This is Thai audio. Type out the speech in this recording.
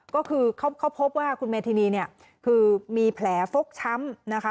ก็คือเขาพบว่าคุณเมธินีเนี่ยคือมีแผลฟกช้ำนะคะ